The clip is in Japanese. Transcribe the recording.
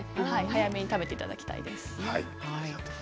早めに食べていただきたいです。